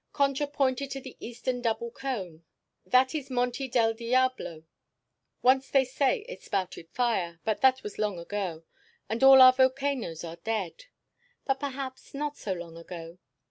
Concha pointed to the eastern double cone. "That is Monte del Diablo. Once they say it spouted fire, but that was long ago, and all our volcanoes are dead. But perhaps not so long ago.